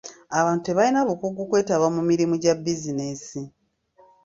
Abantu tebalina bukugu kwetaba mu mirimu gya bizinensi.